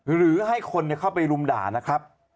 หรือให้คนเข้าไปรุมด่านะครับ